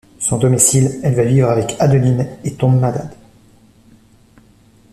Sans domicile, elle va vivre avec Adeline et tombe malade.